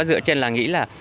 dựa trên là nghĩ là